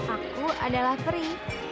aku adalah peri